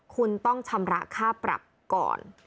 คุณต้องชำระค่าปรับก่อน